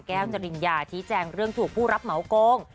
จริญญาชี้แจงเรื่องถูกผู้รับเหมาโกง